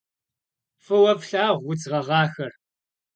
F'ıue flhağu vudz ğeğaxer.